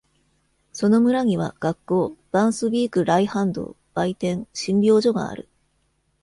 その村には、学校、ヴァンスヴィーク来反動、売店、診療所がある。